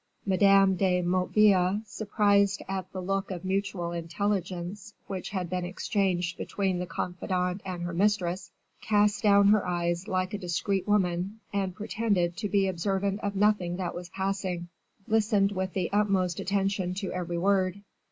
Madame de Motteville, surprised at the look of mutual intelligence which had been exchanged between the confidant and her mistress, cast down her eyes like a discreet woman, and pretending to be observant of nothing that was passing, listened with the utmost attention to every word.